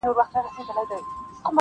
په جرګو کي به ګرېوان ورته څیرمه-